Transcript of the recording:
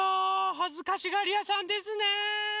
はずかしがりやさんですね。